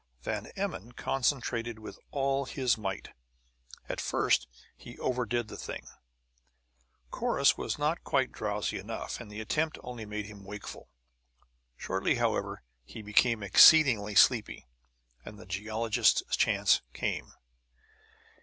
Van Emmon concentrated with all his might. At first he overdid the thing; Corrus was not quite drowsy enough, and the attempt only made him wakeful. Shortly, however, he became exceedingly sleepy, and the geologist's chance came.